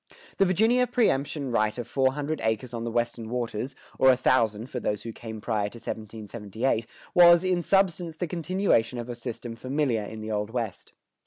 The Virginia preëmption right of four hundred acres on the Western waters, or a thousand for those who came prior to 1778, was, in substance, the continuation of a system familiar in the Old West.